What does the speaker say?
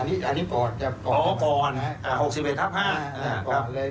อันนี้อันนี้ปอดอ๋อปอดอ่าหกสิบเอ็ดทับห้าอ่าอ่าปอดเลย